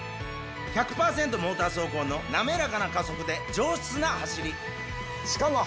モーター走行の滑らかな加速で上質な走りしかも。